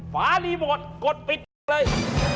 พักนี้หมดกดปิดเลย